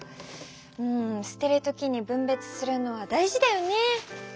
うんすてる時にぶんべつするのは大事だよね。